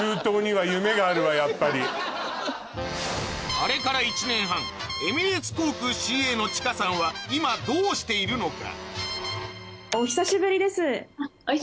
あれから１年半エミレーツ航空ＣＡのチカさんは今どうしているのか？